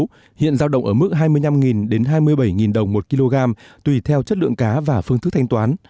hiện giao động ở mức hai mươi năm đến hai mươi bảy đồng một kg tùy theo chất lượng cá và phương thức thanh toán